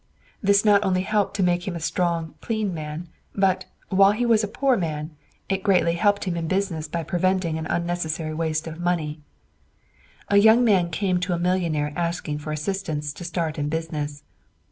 This not only helped to make him a strong, clean man; but, while he was a poor man, it greatly helped him in business by preventing an unnecessary waste of money. A young man came to a millionaire asking for assistance to start in business.